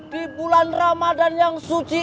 di bulan ramadhan yang suci ini